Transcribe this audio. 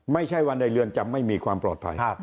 ไม่ใช่ว่าในเรือนจำไม่มีความปลอดภัย